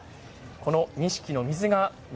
この錦の水が錦